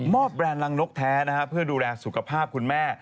แบรนด์รังนกแท้เพื่อดูแลสุขภาพคุณแม่